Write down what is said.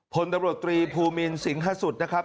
พลตำรวจตรีภูมินสิงหาสุดนะครับ